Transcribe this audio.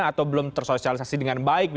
atau belum tersosialisasi dengan baik